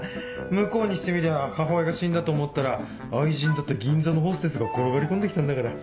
向こうにしてみりゃ母親が死んだと思ったら愛人だった銀座のホステスが転がり込んで来たんだから。